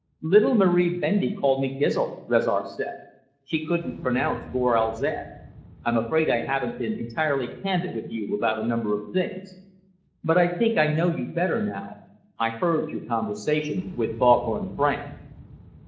"Little Marie Bendy called me Gizl," Rezar said. "She couldn't pronounce Gorel zed. I'm afraid I haven't been entirely candid with you about a number of things. But I think I know you better now. I heard your conversation with Foghorn Frank."